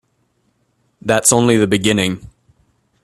That's only the beginning.